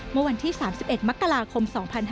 เมื่อวันที่๓๑มกราคม๒๕๕๙